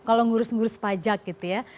kalau ngurus ngurus pajak gitu ya